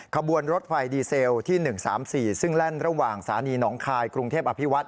ขบวนรถไฟดีเซลที่๑๓๔ซึ่งแล่นระหว่างสถานีหนองคายกรุงเทพอภิวัต